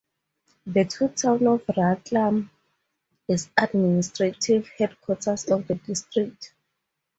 The town of Ratlam is administrative headquarters of the district.